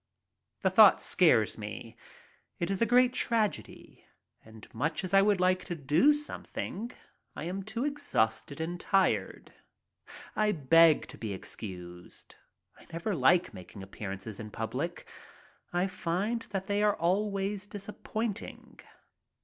The thought scares me. It is a great tragedy, and, much as I would like to do some thing, I am too exhausted and tired. I beg to be excused, I never like making appearances in public. I find that they are always disappointing.